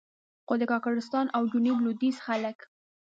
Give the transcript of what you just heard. خو د کاکړستان او جنوب لوېدیځ خلک.